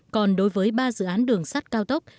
còn đối với ba dự án đường sắt cao tốc